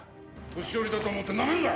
年寄りだと思ってなめるな！